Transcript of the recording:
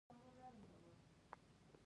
د بدخشان په راغستان کې سرو زرو کان دی.